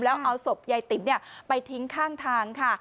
แล้วเอาศพยายติ๋มไปทิ้งข้างทางค่ะ